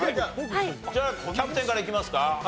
じゃあキャプテンからいきますか？